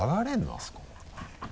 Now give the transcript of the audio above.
あそこ。